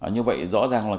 như vậy rõ ràng là